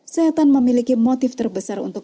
setan memiliki motif terbesar untuk